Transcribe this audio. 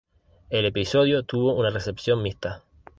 El episodio tuvo una recepción mixta.